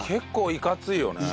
いかついよ。